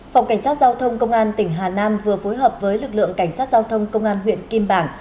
phòng cảnh sát giao thông công an tỉnh hà nam vừa phối hợp với lực lượng cảnh sát giao thông công an huyện kim bảng